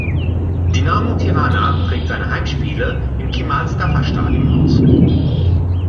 Dinamo Tirana trägt seine Heimspiele im Qemal-Stafa-Stadion aus.